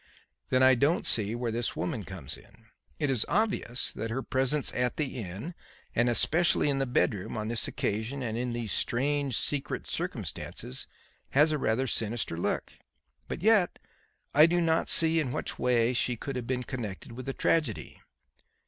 "Then I don't see where this woman comes in. It is obvious that her presence at the inn, and especially in the bedroom, on this occasion and in these strange, secret circumstances, has a rather sinister look; but yet I do not see in what way she could have been connected with the tragedy.